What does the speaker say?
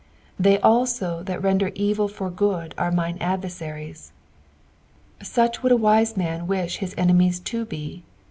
Hey (USD tAat render ecU Jbr food are min« advertaritt." Such would a wise man wish his enemies to be.